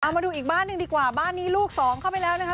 มาดูอีกบ้านหนึ่งดีกว่าบ้านนี้ลูกสองเข้าไปแล้วนะคะ